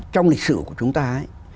trong lịch sử của chúng ta ấy